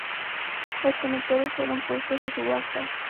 Los conectores fueron puestos a subasta.